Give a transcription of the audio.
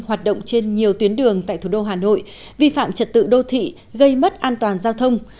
hoạt động trên nhiều tuyến đường tại thủ đô hà nội vi phạm trật tự đô thị gây mất an toàn giao thông